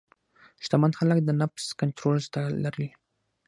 شتمن خلک د نفس کنټرول زده لري.